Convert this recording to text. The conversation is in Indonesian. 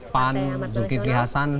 pan zulkifli hasan